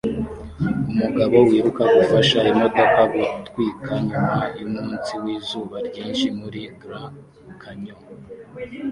Umugabo wiruka gufasha imodoka gutwika nyuma yumunsi wizuba ryinshi muri Grand Canyon